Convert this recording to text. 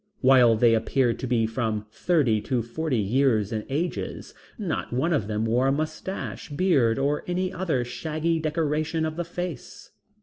While they appeared to be from thirty to forty years in ages, not one of them wore a mustache, beard or any other shaggy decoration of the face.